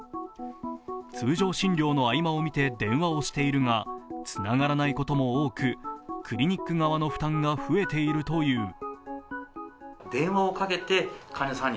通常診療の合間を見て電話をしているが、つながらないことも多くクリニック側の負担が増えているという。